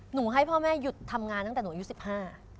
ให้พ่อแม่หยุดทำงานตั้งแต่หนูอายุสิบห้า